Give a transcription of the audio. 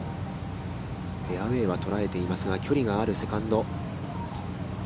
フェアウェイは捉えていますが、距離があるセカンド。